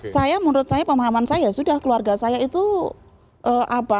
saya menurut saya pemahaman saya sudah keluarga saya itu apa